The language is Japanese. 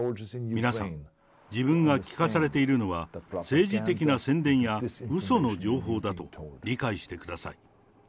皆さん、自分が聞かされているのは、政治的な宣伝やうその情報だと理解してください。